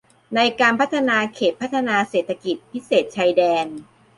ในการพัฒนาเขตพัฒนาเศรษฐกิจพิเศษชายแดน